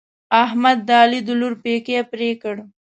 احمد د علي د لور پېکی پرې کړ.